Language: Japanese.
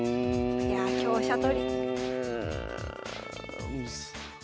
いやあ香車とり。